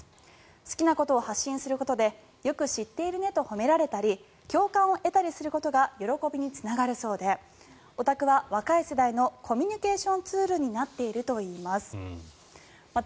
好きなことを発信することでよく知ってるねと褒められたり共感を得たりすることが喜びにつながるそうでオタクは若い世代のコミュニケーションツールになっているといいます。